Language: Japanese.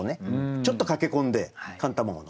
ちょっと駆け込んで寒卵の。